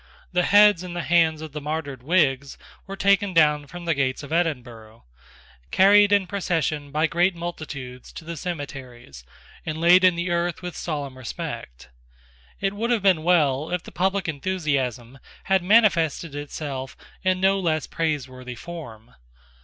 The heads and the hands of the martyred Whigs were taken down from the gates of Edinburgh, carried in procession by great multitudes to the cemeteries, and laid in the earth with solemn respect, It would have been well if the public enthusiasm had manifested itself in no less praiseworthy form.